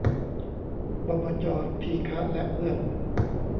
บมจ.ทีฆะและเพื่อน